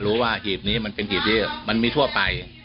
หีบนี้มันเป็นหีบที่มันมีทั่วไป